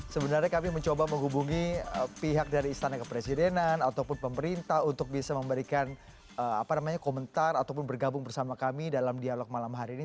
sebenarnya kami mencoba menghubungi pihak dari istana kepresidenan ataupun pemerintah untuk bisa memberikan komentar ataupun bergabung bersama kami dalam dialog malam hari ini